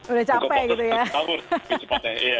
udah capek gitu ya